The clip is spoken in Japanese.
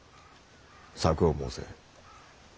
策を申せ。